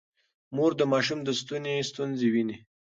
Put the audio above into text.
مور د ماشوم د ستوني ستونزه ويني.